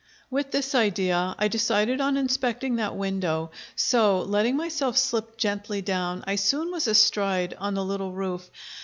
With this idea I decided on inspecting that window; so, letting myself slip gently down, I soon was astride on the little roof.